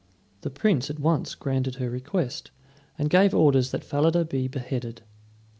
The Prince at once granted her request, and gave orders that Falada be beheaded.